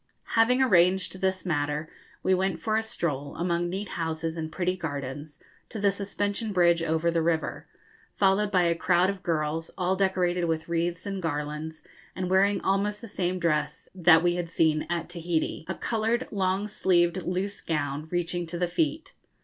Having arranged this matter, we went for a stroll, among neat houses and pretty gardens, to the suspension bridge over the river, followed by a crowd of girls, all decorated with wreaths and garlands, and wearing almost the same dress that we had seen at Tahiti a coloured long sleeved loose gown reaching to the feet.